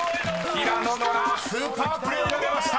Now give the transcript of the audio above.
［平野ノラスーパープレーが出ました］